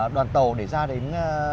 đoàn tàu để ra đến